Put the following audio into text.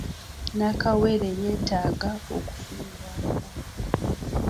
Nakawere yeetaaga okufiibwako.